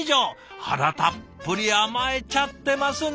あらたっぷり甘えちゃってますねえ！